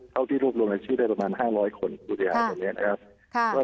เท่าที่รวบรวมชื่อได้ประมาณ๕๐๐คนปุฏิฮาอย่างนี้นะครับ